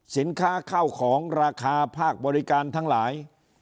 สินค้าเข้าของราคาภาคบริการทั้งหลาย